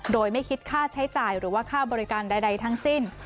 โดยไม่คิดค่าใช้จ่ายหรือว่าค่าบริการใดทั้งสิ้น